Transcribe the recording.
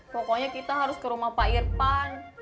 pokoknya kita harus ke rumah pak irfan